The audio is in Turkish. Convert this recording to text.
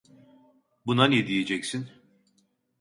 Buna ne diyeceksin?